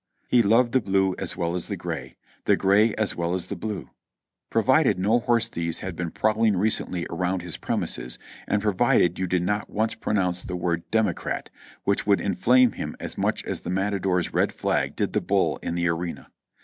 He loved the blue as well as the gray ; the gray as well as the blue, provided no horse thieves had been prowling recently around his premises, and provided you did not once pronounce the word "Democrat," which would inflame him as much as the matador's red flag did the bull in the arena.